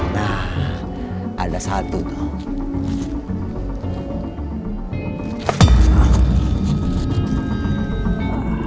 nah ada satu tuh